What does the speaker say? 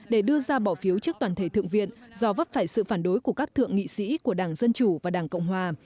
để đưa ra bỏ phiếu trước toàn thể thượng viện do vấp phải sự phản đối của các thượng nghị sĩ của đảng dân chủ và đảng cộng hòa